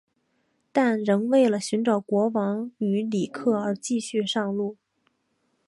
但仍为了寻找国王与里克而继续上路。